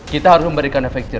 kita harus memberikan efek jerah